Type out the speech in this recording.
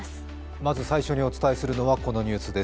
まず最初にお伝えするのはこのニュースです。